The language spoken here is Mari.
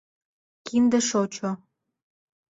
Кинде шочо...